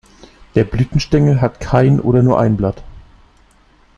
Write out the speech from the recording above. Der Blütenstängel hat kein oder nur ein Blatt.